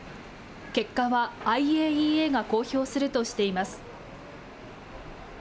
結果はＩＡＥＡが公表するとしています。